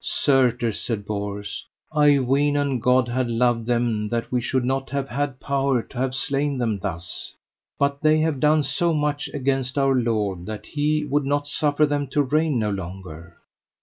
Certes, said Bors, I ween an God had loved them that we should not have had power to have slain them thus. But they have done so much against Our Lord that He would not suffer them to reign no longer.